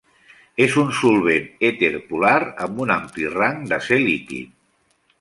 És un solvent èter polar amb un ampli rang de ser líquid.